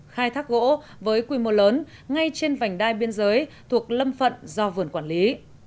khai thác gỗ với quy mô lớn ngay trên vành đai biên giới thuộc lâm phận do vườn quản lý